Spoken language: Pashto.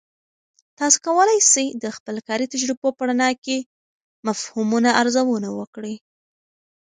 تاسې کولای سئ د خپل کاري تجربو په رڼا کې مفهومونه ارزونه وکړئ.